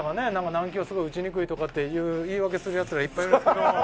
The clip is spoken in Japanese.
軟球はすごい打ちにくいとかっていう言い訳するヤツがいっぱいいるんですけど。